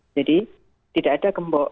jadi tidak ada kembok